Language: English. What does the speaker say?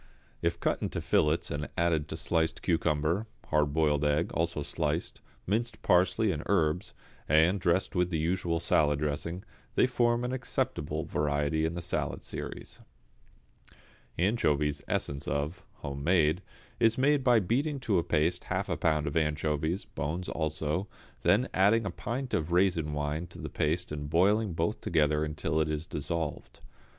If cut into fillets and added to sliced cucumber, hard boiled egg, also sliced, minced parsley and herbs, and dressed with the usual salad dressing, they form an acceptable variety in the salad series. =Anchovies, Essence of= (home made), is made by beating to a paste half a pound of anchovies, bones also, then adding a pint of raisin wine to the paste and boiling both together until it is dissolved.